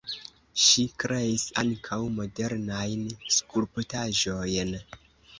Ŝi kreis ankaŭ modernajn skulptaĵojn.